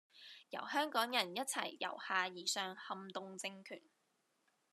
由香港人一齊由下至上撼動政權